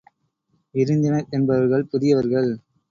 விருந்தினர் என்பவர்கள் புதியவர்கள்.